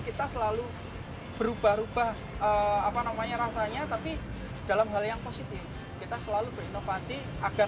kita selalu berubah ubah apa namanya rasanya tapi dalam hal yang positif kita selalu berinovasi agar